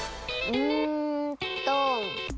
うーんと。